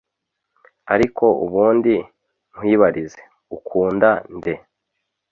ariko ubundi nkwibarize ukunda nde